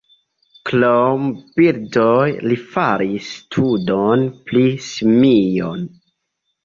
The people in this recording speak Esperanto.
Krom birdoj li faris studon pri simioj.